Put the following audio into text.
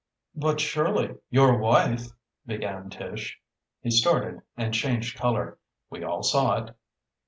"But surely your wife " began Tish. He started and changed color. We all saw it.